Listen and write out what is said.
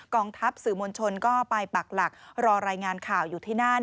องทัพสื่อมวลชนก็ไปปักหลักรอรายงานข่าวอยู่ที่นั่น